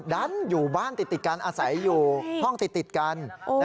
ดันอยู่บ้านติดกันอาศัยอยู่ห้องติดกัน